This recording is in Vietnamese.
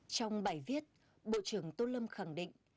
trong bài viết bộ trưởng tô lâm khẳng định